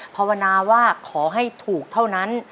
ภาวนาว่าขอให้ถูกเท่านั้น